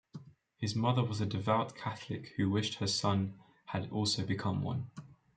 His mother was a devout Catholic who wished her son had also become one.